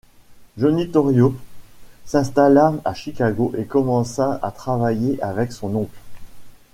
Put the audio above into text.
Johnny Torrio s'installa à Chicago et commença à travailler avec son oncle.